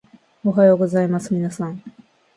おはようございますみなさん